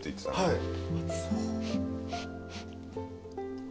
はい。